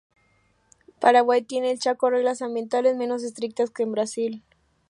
Paraguay tiene en el Chaco reglas ambientales menos estrictas que en Brasil.